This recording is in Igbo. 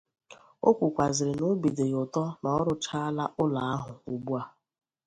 O kwukwazịrị na obi dị ya ụtọ na ọ rụchaala ụlọ ahụ ugbua